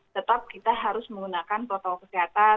tetap kita harus menggunakan protokol kesehatan